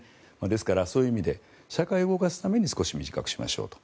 ですから、そういう意味で社会を動かすために少し短くしましょうと。